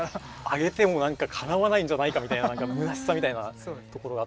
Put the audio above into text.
上げても何かかなわないんじゃないかみたいなむなしさみたいなところがあったりはしましたね。